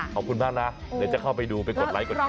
ขอบคุณมากนะเดี๋ยวจะเข้าไปดูไปกดไลค์กดไล